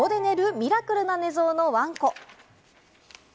ミラクルな寝相のわんこ。